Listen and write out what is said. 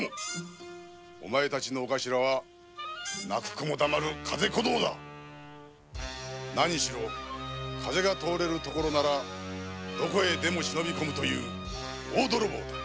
お前たちのお頭は泣く子も黙る風小僧だ何しろ風が通れる所ならどこへでも忍び込むという大泥棒だ。